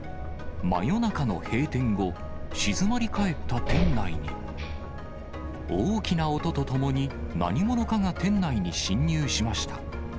真夜中の閉店後、静まり返った店内に、大きな音とともに、何者かが店内に侵入しました。